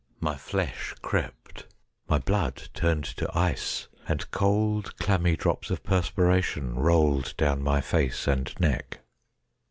My flesh crept ; my blood turned to ice, and cold, clammy drops of perspiration rolled down my face and neck.